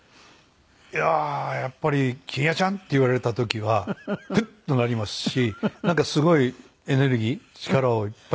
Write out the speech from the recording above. いやあやっぱり「欣也ちゃん」って言われた時はフッ！となりますしなんかすごいエネルギー力をいっぱいもらったようなね。